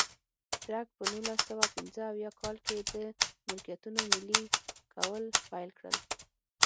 درګ په نولس سوه پنځه اویا کال کې د ملکیتونو ملي کول پیل کړل.